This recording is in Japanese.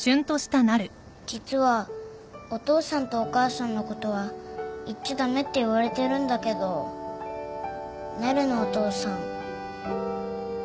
実はお父さんとお母さんのことは言っちゃ駄目って言われてるんだけどなるのお父さん。